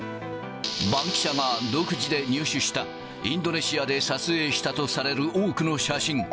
バンキシャが独自で入手した、インドネシアで撮影したとされる多くの写真。